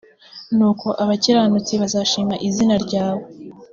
nuko abakiranutsi bazashima izina ryawe